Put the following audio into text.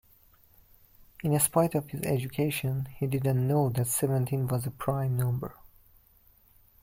In spite of his education, he didn't know that seventeen was a prime number